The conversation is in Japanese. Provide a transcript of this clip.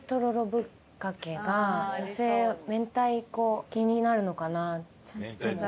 ぶっかけが女性は明太子気になるのかなと思って。